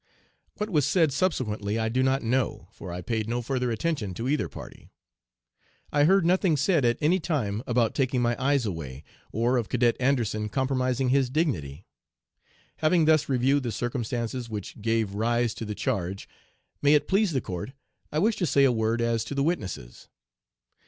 What was said subsequently I do not know, for I paid no further attention to either party. I heard nothing said at any time about taking my eyes away, or of Cadet Anderson compromising his dignity. Having thus reviewed the circumstances which gave rise to the charge, may it please the court, I wish to say a word as to the witnesses.